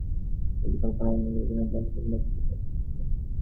কতকগুলি কল্পনা অন্য কল্পনাগুলির বন্ধন ভাঙতে সাহায্য করে।